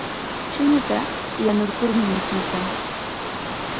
Chuñutaqa yanurkurmi mikuyan.